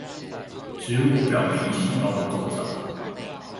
植物表皮細胞的構造